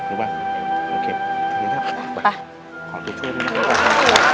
ขอช่วยทุกคนด้วย